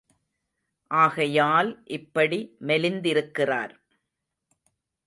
ஆகையால் இப்படி மெலிந்திருக்கிறார்.